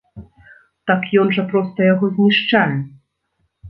Так ён жа проста яго знішчае!